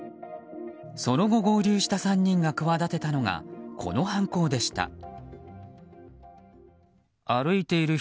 その後、合流した３人が企てたのがこの犯行でした。